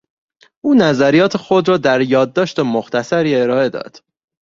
او نظریات خود را در یادداشت مختصری ارائه داد.